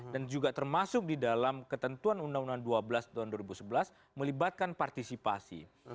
dan juga termasuk di dalam ketentuan undang undang dua belas tahun dua ribu sebelas melibatkan partisipasi